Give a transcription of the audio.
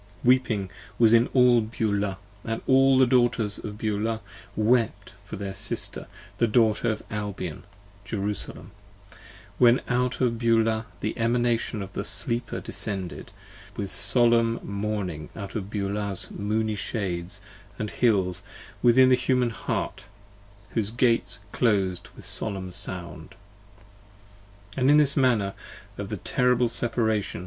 Weeping was in all Beulah, and all the Daughters of Beulah Wept for their Sister the Daughter of Albion, Jerusalem: When out of Beulah the Emanation of the Sleeper descended, With solemn mourning out of Beulah's moony shades and hills, 25 Within the Human Heart, whose Gates closed with solemn sound. And this the manner of the terrible Separation.